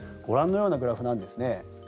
ご覧のようなグラフなんですね。